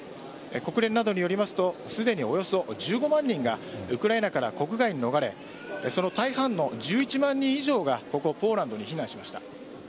国連などによりますとすでにおよそ１５万人がウクライナから国外に逃れその大半の１１万人以上がポーランドに避難しました。